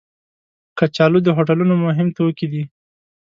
کچالو د هوټلونو مهم توکي دي